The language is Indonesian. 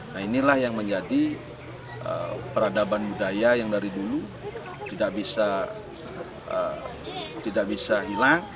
nah inilah yang menjadi peradaban budaya yang dari dulu tidak bisa hilang